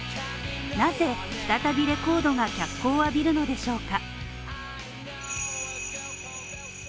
なぜ再びレコードが脚光を浴びるのでしょうか？